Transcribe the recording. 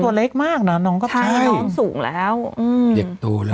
ตัวเล็กมากน่ะน้องก็ใช่น้องสูงแล้วอืมเด็กตัวเลย